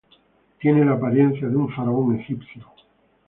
Tiene la apariencia de un faraón egipcio.